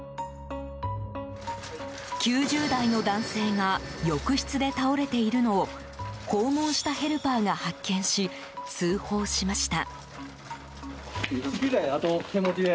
９０代の男性が浴室で倒れているのを訪問したヘルパーが発見し通報しました。